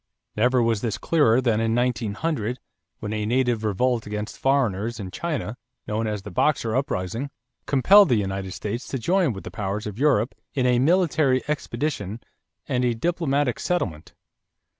Never was this clearer than in 1900 when a native revolt against foreigners in China, known as the Boxer uprising, compelled the United States to join with the powers of Europe in a military expedition and a diplomatic settlement.